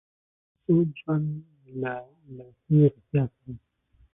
اوږد ژوند له له ښې روغتیا سره